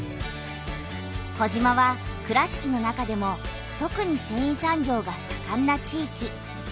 児島は倉敷の中でもとくにせんい産業がさかんな地域。